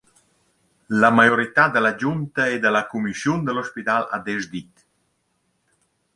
La majorità da la giunta e da la cumischiun da l’ospidal ha desdit.